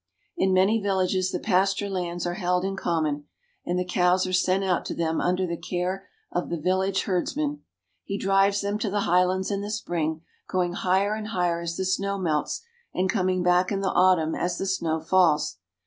In many villages the pasture lands are held in common, 266 SWITZERLAND. and the cows are sent out to them under the care of the village herdsman. He drives them to the highlands in the spring, going higher and higher as the snow melts, and coming back in the autumn as the snow falls.